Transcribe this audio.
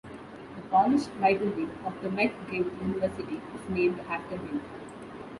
The Polish Library of the McGill University is named after him.